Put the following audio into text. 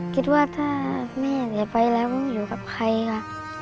คิดว่าถ้าแม่หนีไปแล้วมึงอยู่กับใครค่ะ